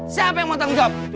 siapa yang mau tanggung jawab